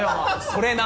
・それな。